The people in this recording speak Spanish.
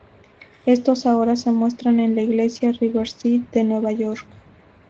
Estos ahora se muestran en la iglesia Riverside de Nueva York.